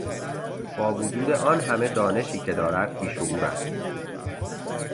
با وجود آن همه دانشی که دارد بیشعور است.